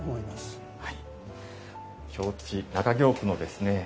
京都市中京区のですね